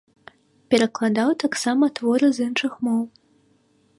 Перакладаў таксама творы з іншых моў.